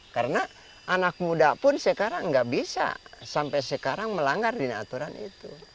karena anak muda pun sekarang nggak bisa sampai sekarang melanggar di aturan itu